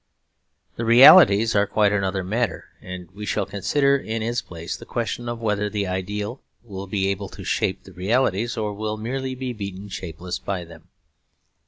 The realities are quite another matter, and we shall consider in its place the question of whether the ideal will be able to shape the realities or will merely be beaten shapeless by them.